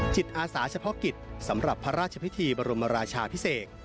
จิตอาสาเฉพาะกิจสำหรับพระราชพิธีบรมราชาพิเศษ